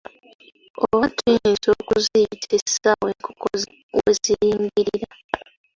Oba tuyinza okuziyita essaawa enkoko we ziyingirira.